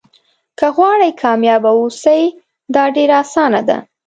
که غواړئ کامیابه واوسئ دا ډېره اسانه ده.